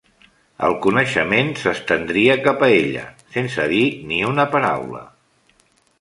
El coneixement s'estendria cap a ella, sense dir ni una paraula.